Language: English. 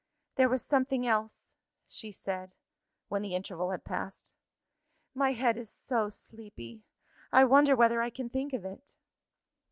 "There was something else," she said, when the interval had passed. "My head is so sleepy. I wonder whether I can think of it?"